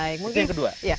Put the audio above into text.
itu yang kedua